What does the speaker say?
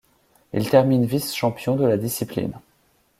Il termine vice-champion de la discipline.